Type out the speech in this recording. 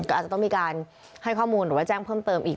ก็อาจจะต้องมีการให้ข้อมูลหรือว่าแจ้งเพิ่มเติมอีก